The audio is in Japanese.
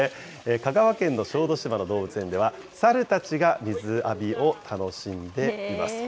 香川県の小豆島の動物園では、サルたちが水浴びを楽しんでいます。